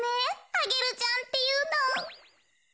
アゲルちゃんっていうの。